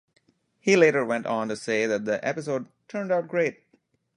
He later went on to say that the episode "turned out great".